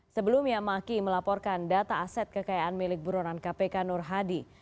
sebelumnya maki melaporkan data aset kekayaan milik buronan kpk nur hadi